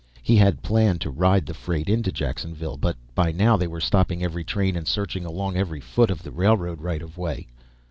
He had planned to ride the freight into Jacksonville but by now they were stopping every train and searching along every foot of the railroad right of way.